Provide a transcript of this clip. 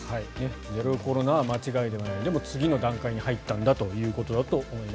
ゼロコロナは間違いではないでも次の段階に入ったということだと思います。